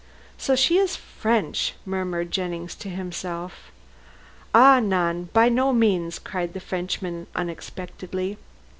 "So she is French," murmured Jennings to himself. "Ah, non; by no means," cried the Frenchman unexpectedly.